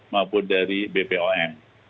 maupun dari bpom